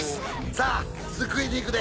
さぁ救いに行くで。